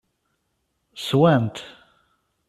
Sswen-t.